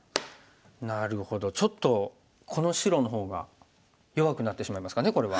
なるほどちょっとこの白の方が弱くなってしまいますかねこれは。